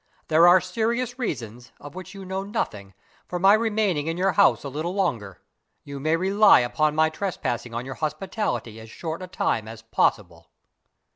"There are serious reasons (of which you know nothing) for my remaining in your house a little longer. You may rely upon my trespassing on your hospitality as short a time as possible."